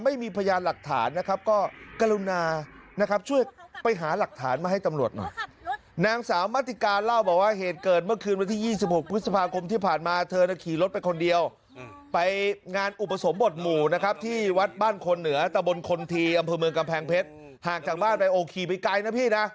บนคนทีอำเภอเมืองกำแพงเพชรห่างจากบ้านไปโอ้ขี่ไปไกลนะพี่น่ะ